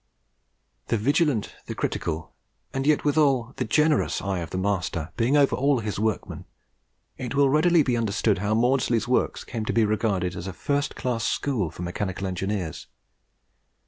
The vigilant, the critical, and yet withal the generous eye of the master being over all his workmen, it will readily be understood how Maudslay's works came to be regarded as a first class school for mechanical engineers.